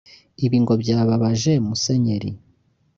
Ibi ngo byababaje Musenyeri